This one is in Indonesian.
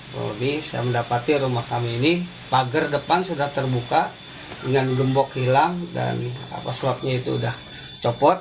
saya mendapati rumah kami ini pagar depan sudah terbuka dengan gembok hilang dan swapnya itu sudah copot